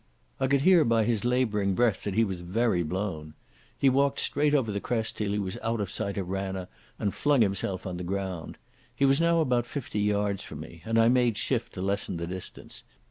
I could hear by his labouring breath that he was very blown. He walked straight over the crest till he was out of sight of Ranna, and flung himself on the ground. He was now about fifty yards from me, and I made shift to lessen the distance.